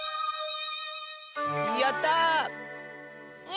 やった！